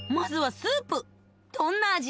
どんな味？